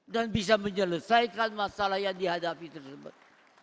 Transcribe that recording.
dan bisa menyelesaikan masalah yang dihadapi tersebut